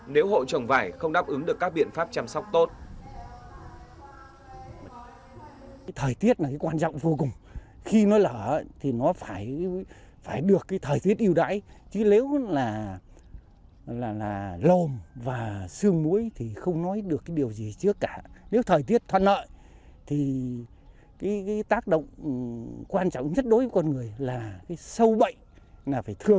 nếu hộ trồng vải không đáp ứng được các biện pháp chăm sóc tốt